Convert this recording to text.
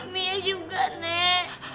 mia juga nek